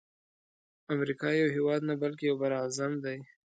امریکا یو هیواد نه بلکی یو بر اعظم دی.